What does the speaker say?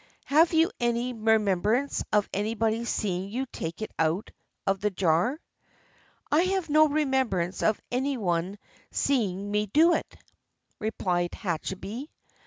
Have you any remembrance of anybody 's seeing you take it out of the jar?" " I have no remembrance of anyone 's seeing me do it," replied Hachibei.